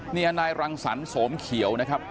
นายรังสรรโสมเขียวนะครับ